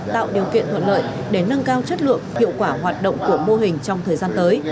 tạo điều kiện thuận lợi để nâng cao chất lượng hiệu quả hoạt động của mô hình trong thời gian tới